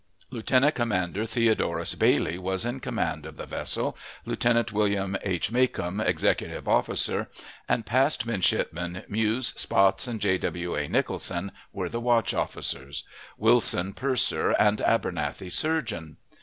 Lieutenant Commander Theodorus Bailey was in command of the vessel, Lieutenant William H. Macomb executive officer, and Passed Midshipmen Muse, Spotts, and J. W. A. Nicholson, were the watch officers; Wilson purser, and Abernethy surgeon.